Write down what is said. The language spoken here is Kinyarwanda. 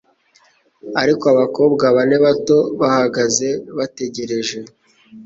Ariko abakobwa bane bato bahagaze bategereje